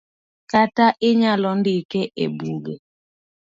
kata inyalo ndike e buge